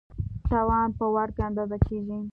توان په واټ کې اندازه کېږي.